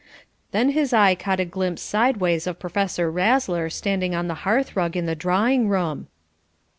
Then his eye caught a glimpse sideways of Professor Razzler standing on the hearth rug in the drawing room.